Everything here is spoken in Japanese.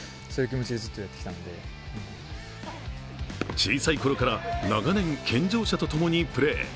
小さい頃から長年、健常者とともにプレー。